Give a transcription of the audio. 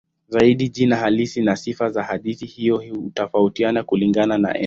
Zaidi jina halisi na sifa za hadithi hiyo hutofautiana kulingana na eneo.